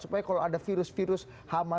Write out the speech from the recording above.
supaya kalau ada virus virus hama